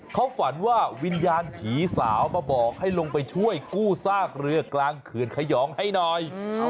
เขาฝันว่าวิญญาณผีสาวมาบอกให้ลงไปช่วยกู้ซากเรือกลางเขื่อนขยองให้หน่อย